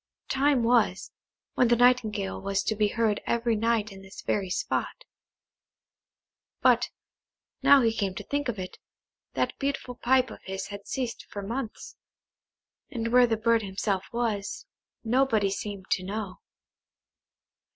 Time was, when the nightingale was to be heard every night in this very spot; but, now he came to think of it, that beautiful pipe of his had ceased for months, and where the bird himself was, nobody seemed to know.